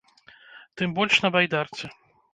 Тым больш на байдарцы.